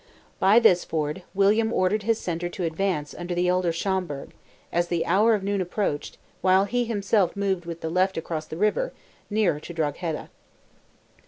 By this ford, William ordered his centre to advance under the elder Schomberg, as the hour of noon approached, while he himself moved with the left across the river, nearer to Drogheda.